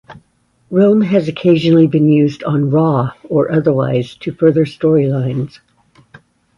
Rome has occasionally been used on "Raw" or otherwise to further storylines.